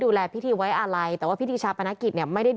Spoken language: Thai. คือแม้ว่าจะมีการเลื่อนงานชาวพนักกิจแต่พิธีไว้อาลัยยังมีครบ๓วันเหมือนเดิม